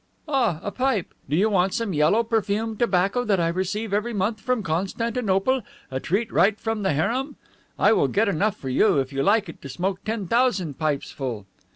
"Ah, a pipe! Do you want some yellow perfumed tobacco that I receive every month from Constantinople, a treat right from the harem? I will get enough for you, if you like it, to smoke ten thousand pipes full."